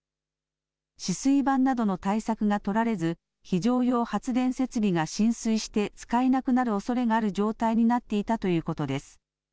止水板などの対策が取られず、非常用発電設備が浸水して使えなくなるおそれがある状態になっていたということです。